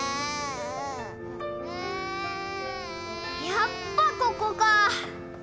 やっぱここか